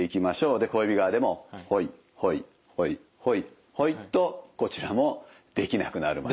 で小指側でもほいほいほいほいほいとこちらもできなくなるまで。